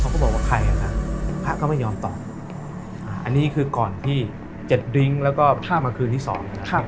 ก็บอกว่าใครอ่ะครับพระก็ไม่ยอมตอบอันนี้คือก่อนที่เจ็ดดริ้งแล้วก็พระมาคืนที่สองนะครับ